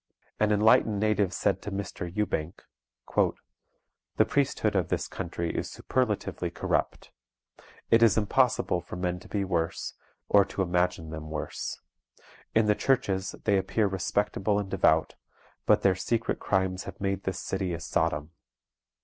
An enlightened native said to Mr. Ewbank, "The priesthood of this country is superlatively corrupt. It is impossible for men to be worse, or to imagine them worse. In the churches they appear respectable and devout, but their secret crimes have made this city a Sodom.